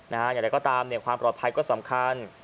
อย่างไรก็ตามความปลอดภัยก็สำคัญ